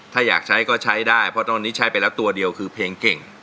ถ้าอยากใช้ก็ใช้ได้เพราะตอนนี้ใช้ไปแล้วตัวเดียวคือเพลงเก่ง